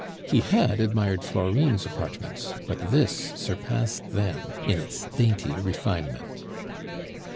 He had admired Florine's apartments, but this surpassed them in its dainty refinement.